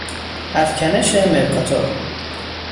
افکنش مرکاتور